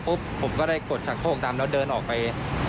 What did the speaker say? ปุ๊บผมก็ได้กดฉักโภคตามแล้วเดินออกไป